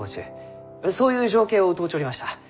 そういう情景を歌うちょりました。